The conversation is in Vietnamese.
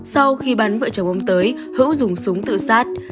sau khi bắn vợ chồng ông tới hữu dùng súng tự sát